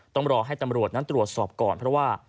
ต้องรอให้ตำรวจนั้นตรวจสอบก่อนเพราะว่า